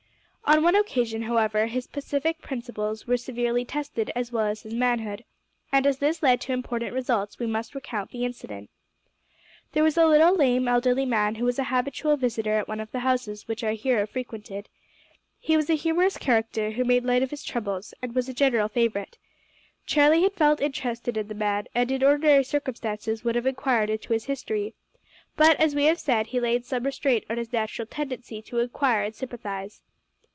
On one occasion, however, his pacific principles were severely tested as well as his manhood, and as this led to important results we must recount the incident. There was a little lame, elderly man, who was a habitual visitor at one of the houses which our hero frequented. He was a humorous character, who made light of his troubles, and was a general favourite. Charlie had felt interested in the man, and in ordinary circumstances would have inquired into his history, but, as we have said, he laid some restraint on his natural tendency to inquire and sympathise.